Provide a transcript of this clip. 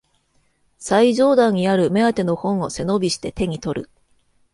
最上段にある目当ての本を背伸びして手にとる